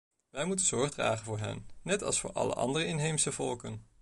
Wij moeten zorg dragen voor hen, net als voor alle andere inheemse volken.